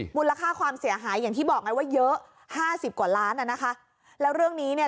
หูล้าค่าความเสียหายอย่างที่บอกไหมว่าเยอะ๕๐กว่าล้านแล้วเรื่องนี้เนี่ย